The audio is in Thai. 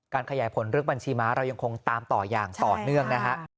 ขยายผลเรื่องบัญชีม้าเรายังคงตามต่ออย่างต่อเนื่องนะฮะ